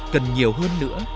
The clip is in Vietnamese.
cần nhiều hơn nữa